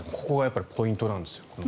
ここがポイントなんですよ